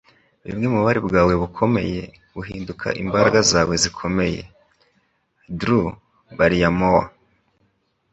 bumwe mu bubabare bwawe bukomeye, buhinduka imbaraga zawe zikomeye.” - Drew Barrymore